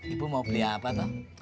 ibu mau beli apa toh